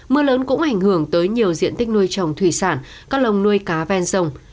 mưa lớn cũng ảnh hưởng tới nhiều diện tích nuôi trồng thủy sản các lồng nuôi cá ven sông